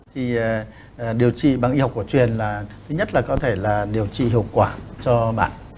thì điều trị bằng y học cổ truyền là thứ nhất là có thể là điều trị hiệu quả cho bạn